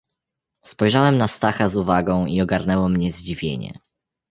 "Spojrzałem na Stacha z uwagą i ogarnęło mnie zdziwienie."